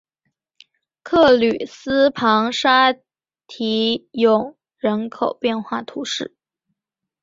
克吕斯旁沙提永人口变化图示